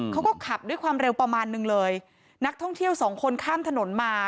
เขาก็ขับด้วยความเร็วประมาณนึงเลยนักท่องเที่ยวสองคนข้ามถนนมา